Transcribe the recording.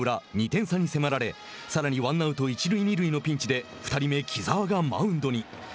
２点差に迫られさらにワンアウト一塁二塁のピンチで２人目、木澤がマウンドに。